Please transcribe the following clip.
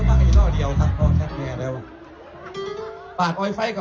มาก็ทำเงียนหน่อยนะครับ